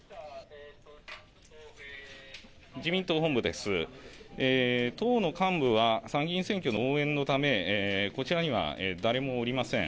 党の幹部は参議院選挙の応援のためこちらには誰もおりません。